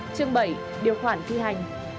chương bảy điều khoản thi hành